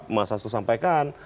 mas sesto sampaikan